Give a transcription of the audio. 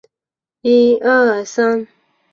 单独运行的定期列车被设定为各站停车。